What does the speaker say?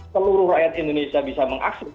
seluruh rakyat indonesia bisa mengakses